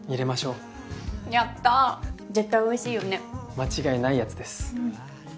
間違いないやつです。